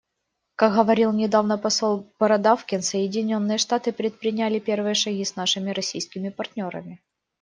Как говорил недавно посол Бородавкин, Соединенные Штаты предприняли первые шаги с нашими российскими партнерами.